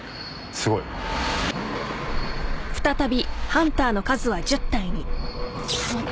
すごい。待って。